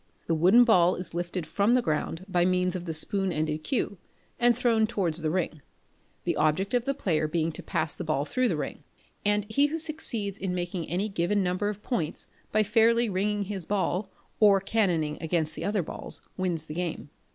The wooden ball is lifted from the ground by means of the spoon ended cue, and thrown towards the ring the object of the player being to pass the ball through the ring; and he who succeeds in making any given number of points by fairly ringing his ball, or canoning against the other balls, wins the game.